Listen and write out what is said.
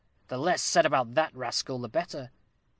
"The less said about that rascal the better."